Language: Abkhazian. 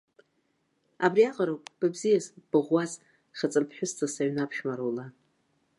Абриаҟароуп, быбзиаз, быӷәӷәаз, хаҵамԥҳәысҵас аҩны аԥшәмара ула!